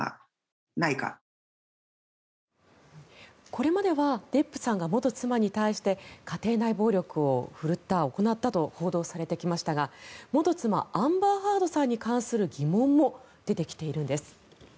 これまではデップさんが元妻に対して家庭内暴力を振るった、行ったと報道されてきましたが元妻アンバー・ハードさんに関する疑問も出てきているんです。